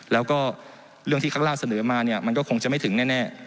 แล้วก็เรื่องที่ข้างล่างเสนอมาเนี่ยมันก็คงจะไม่ถึงแน่